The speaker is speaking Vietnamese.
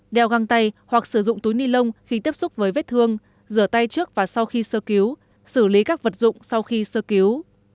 đeo găng tay hoặc sử dụng túi ni lông khi tiếp xúc với vết thương rửa tay trước và sau khi sơ cứu xử lý các vật dụng sau khi sơ cứu